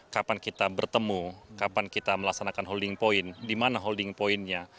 kapan kita bertemu kapan kita melaksanakan holding point di mana holding pointnya